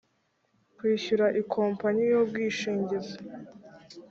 kwishyura ikompanyi y’ubwishingizi